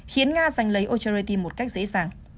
khiến nga giành lấy ocheritin một cách dễ dàng